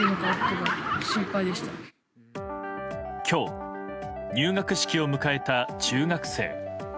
今日、入学式を迎えた中学生。